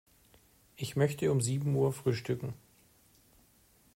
Ich möchte um sieben Uhr frühstücken.